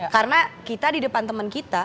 karena kita di depan teman kita